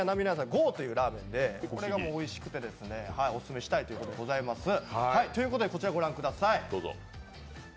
熬ｇｏｕというラーメンでこれがもうおいしくて、オススメしたいということでございます。ということでこちらご覧ください。